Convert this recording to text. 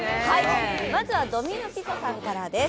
まずはドミノ・ピザさんからです。